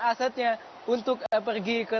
asetnya untuk pergi ke